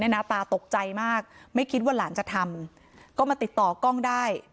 ตาตกใจมากไม่คิดว่าหลานจะทำก็มาติดต่อกล้องได้